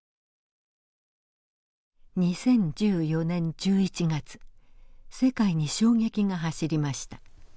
２０１４年１１月世界に衝撃が走りました。